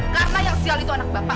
karena yang sial itu anak bapak